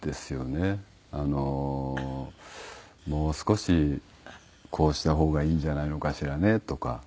あの「もう少しこうした方がいいんじゃないのかしらね」とか。